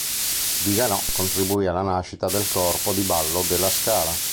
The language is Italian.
Viganò contribuì alla nascita del corpo di ballo de La Scala.